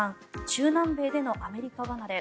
中南米でのアメリカ離れ